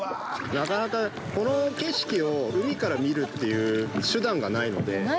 ◆なかなかこの景色を海から見るっていう手段がないので。